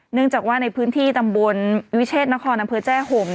เนื่องจากว่าในพื้นที่ตำบลวิเชษนครอำเภอแจ้ห่ม